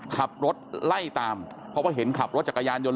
ขับรถไล่ตามเพราะว่าเห็นขับรถจักรยานยนต